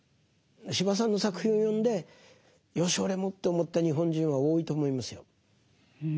司馬さんの作品を読んでよし俺もと思った日本人は多いと思いますよ。